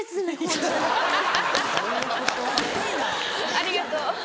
ありがとう。